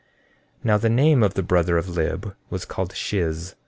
14:17 Now the name of the brother of Lib was called Shiz.